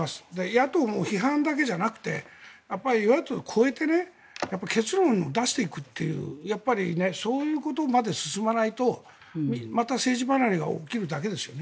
野党も批判だけじゃなくて与野党を超えて結論を出していくっていうそういうことまで進まないとまた、政治離れが起きるだけですよね。